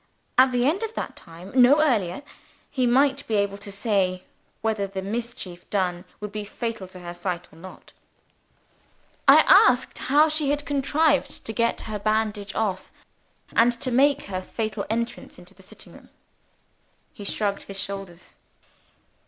At the end of that time no earlier he might be able to say whether the mischief done would be fatal to her sight or not. I asked how she had contrived to get her bandage off, and to make her fatal entrance into the sitting room. He shrugged his shoulders.